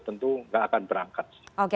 tentu gak akan berangkat